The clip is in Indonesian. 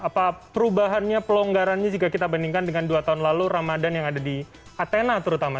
apa perubahannya pelonggarannya jika kita bandingkan dengan dua tahun lalu ramadan yang ada di atena terutama